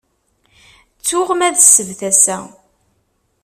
Ttuɣ ma d ssebt assa.